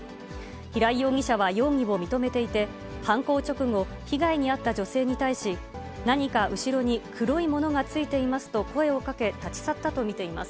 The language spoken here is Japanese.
平井容疑者は容疑を認めていて、犯行直後、被害に遭った女性に対し、何か後ろに黒いものがついていますと、声をかけ、立ち去ったと見ています。